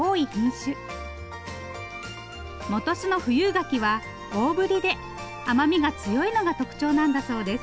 本巣の富有柿は大ぶりで甘みが強いのが特徴なんだそうです。